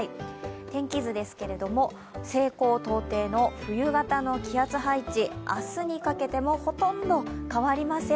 天気図ですけれども、西高東低の冬型の気圧配置、明日にかけてもほとんど変わりません。